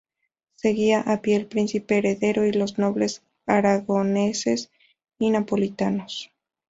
Seguían a pie el príncipe heredero y los nobles aragoneses y napolitanos.